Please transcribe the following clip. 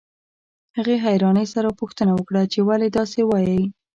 هغې حيرانۍ سره پوښتنه وکړه چې ولې داسې وايئ.